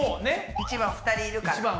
１番２人いますから。